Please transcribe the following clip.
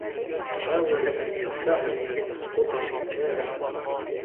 حاول أن يدفعني لأسقط في الماء.